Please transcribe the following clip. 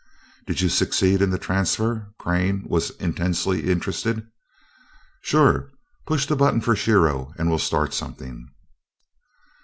"Did you succeed in the transfer?" Crane was intensely interested. "Sure. Push the button for Shiro, and we'll start something."